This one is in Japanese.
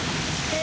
え？